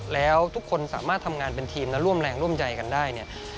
แล้วทุกคนสามารถทำงานเป็นทีมและร่วมแรงร่วมใจกันได้เนี่ย